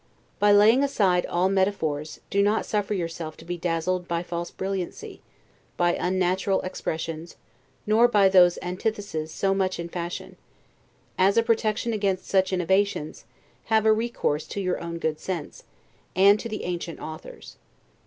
But laying aside all metaphors, do not suffer yourself to be dazzled by false brilliancy, by unnatural expressions, nor by those antitheses so much in fashion: as a protection against such innovations, have a recourse to your own good sense, and to the ancient authors.